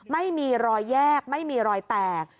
ไม่มีรอยแยกไม่มีรอยแตก